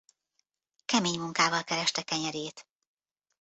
Kemény munkával kereste kenyerét.